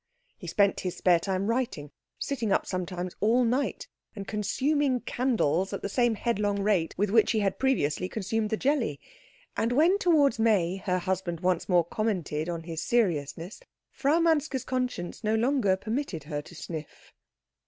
He spent his spare time writing, sitting up sometimes all night, and consuming candles at the same head long rate with which he had previously consumed the jelly; and when towards May her husband once more commented on his seriousness, Frau Manske's conscience no longer permitted her to sniff.